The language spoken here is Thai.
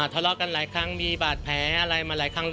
ทะเลาะกันหลายครั้งมีบาดแผลอะไรมาหลายครั้ง